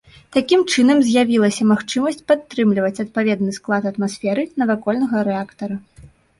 Такім чынам з'явілася магчымасць падтрымліваць адпаведны склад атмасферы, навакольнага рэактар.